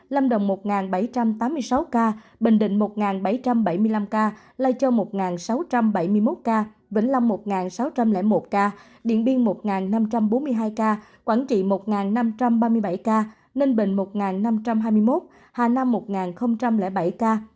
lâm đồng một bảy trăm tám mươi sáu ca bình định một bảy trăm bảy mươi năm ca lai châu một sáu trăm bảy mươi một ca vĩnh long một sáu trăm linh một ca điện biên một năm trăm bốn mươi hai ca quảng trị một năm trăm ba mươi bảy ca ninh bình một năm trăm hai mươi một hà nam một bảy ca